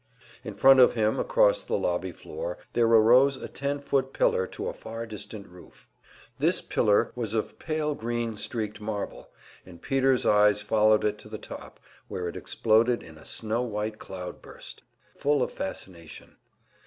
In front of him across the lobby floor there arose a ten foot pillar to a far distant roof. This pillar was of pale, green streaked marble, and Peter's eyes followed it to the top, where it exploded in a snow white cloud burst, full of fascination.